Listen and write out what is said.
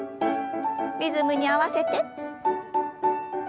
リズムに合わせて。